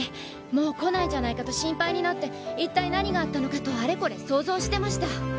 もう来ないんじゃないかと心配になって一体何があったのかとあれこれ想像してました。